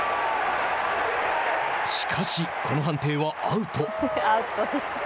しかし、この判定はアウト。